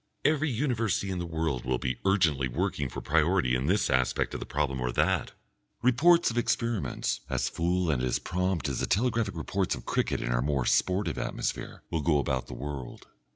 Every university in the world will be urgently working for priority in this aspect of the problem or that. Reports of experiments, as full and as prompt as the telegraphic reports of cricket in our more sportive atmosphere, will go about the world.